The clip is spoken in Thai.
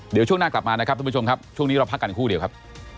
เดี๋ยวช่วงหน้ากลับมานะครับทุกผู้ชมครับช่วงนี้เราพักกันครู่เดียวครับ